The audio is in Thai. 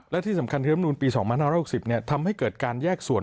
และที่สำคัญคือรับนูลปี๒๕๖๐ทำให้เกิดการแยกส่วน